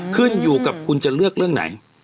ขึ้นอยู่กับคุณจะเลือกเรื่องไหน